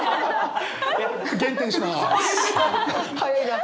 減点します。